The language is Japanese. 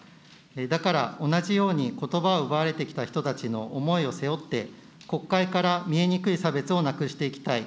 だから、同じようにことばを奪われてきた人たちの思いを背負って、国会から見えにくい差別をなくしていきたい。